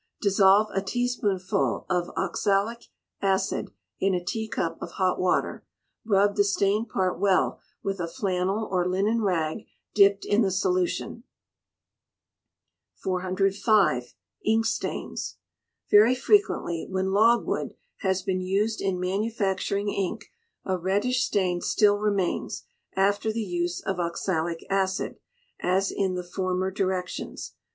Dissolve a teaspoonful of oxalic acid in a teacup of hot water; rub the stained part well with a flannel or linen rag dipped in the solution. 405. Ink Stains. Very frequently, when logwood has been used in manufacturing ink, a reddish stain still remains, after the use of oxalic acid, as in the former directions.